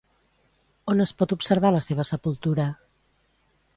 On es pot observar la seva sepultura?